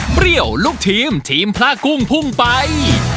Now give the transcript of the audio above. เปรี้ยวลูกทีมทีมพระกุ้งพุ่งไป